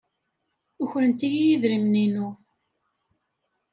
Ukrent-iyi idrimen-inu.